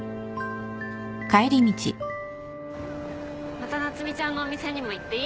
また夏海ちゃんのお店にも行っていい？